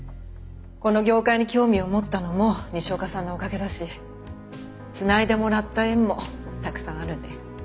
この業界に興味を持ったのも西岡さんのおかげだし繋いでもらった縁もたくさんあるんで。